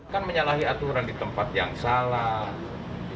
kan menyalahi aturan di tempat yang salah